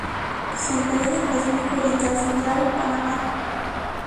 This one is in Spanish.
Se encuentra en el Pacífico oriental central: Panamá.